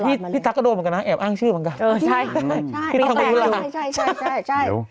เพราะล่าสุดพี่ทักกระโดดเหมือนกันนะแอบอ้างชื่อเหมือนกัน